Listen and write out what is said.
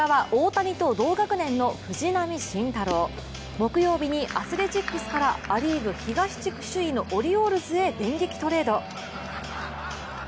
木曜日にアスレチックスからア・リーグ東地区首位のオリオールズへ電撃トレード。